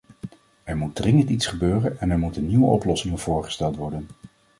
Er moet dringend iets gebeuren en er moeten nieuwe oplossingen voorgesteld worden.